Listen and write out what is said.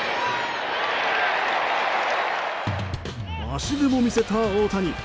足でも見せた大谷。